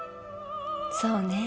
そうね。